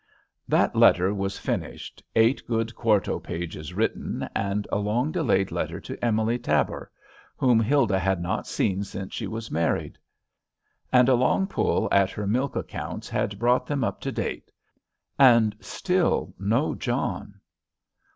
That letter was finished, eight good quarto pages written, and a long delayed letter to Emily Tabor, whom Huldah had not seen since she was married; and a long pull at her milk accounts had brought them up to date, and still no John.